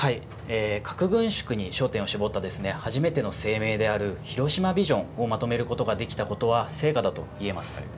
核軍縮に焦点を絞った初めての声明である、広島ビジョンをまとめることができたことは成果だといえます。